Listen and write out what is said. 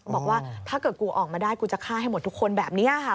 บอกว่าถ้าเกิดกูออกมาได้กูจะฆ่าให้หมดทุกคนแบบนี้ค่ะ